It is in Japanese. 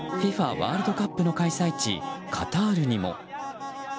ワールドカップの開催地カタールにも。